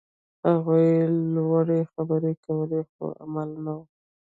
هغوی لوړې خبرې کولې، خو عمل نه و.